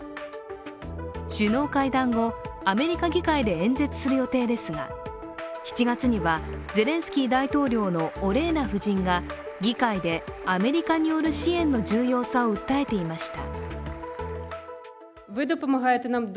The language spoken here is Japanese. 首脳会談後アメリカ議会で演説する予定ですが、７月にはゼレンスキー大統領のオレーナ夫人が議会でアメリカによる支援の重要さを訴えていました